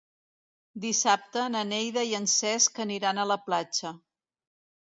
Dissabte na Neida i en Cesc aniran a la platja.